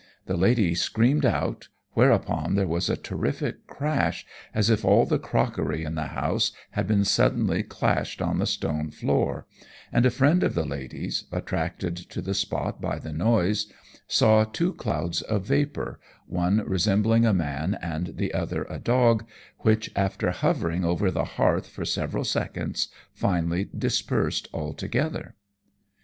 The lady screamed out, whereupon there was a terrific crash, as if all the crockery in the house had been suddenly clashed on the stone floor; and a friend of the lady's, attracted to the spot by the noise, saw two clouds of vapour, one resembling a man and the other a dog, which, after hovering over the hearth for several seconds, finally dispersed altogether.